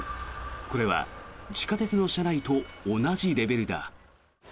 これは地下鉄の車内と同じレベルだ。